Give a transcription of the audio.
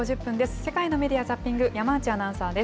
世界のメディア・ザッピング、山内アナウンサーです。